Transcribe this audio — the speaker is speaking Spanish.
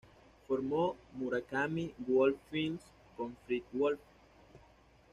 Formó Murakami-Wolf Films con Fred Wolf.